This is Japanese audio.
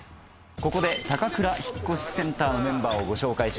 ここでたかくら引越センターのメンバーをご紹介します。